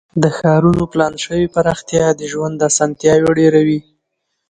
د ښارونو پلان شوې پراختیا د ژوند اسانتیاوې ډیروي.